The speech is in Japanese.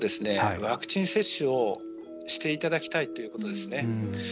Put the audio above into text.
ワクチン接種をしていただきたいということです。